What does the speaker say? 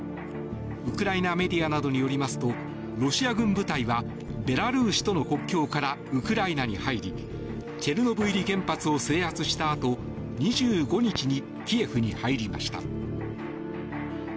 ウクライナメディアなどによりますと、ロシア軍部隊はベラルーシとの国境からウクライナに入りチェルノブイリ原発を制圧したあと２５日にキエフに入りました。